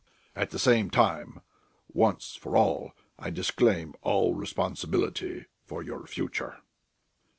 At the same time, once for all I disclaim all responsibility for your future...."